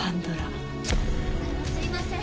すいません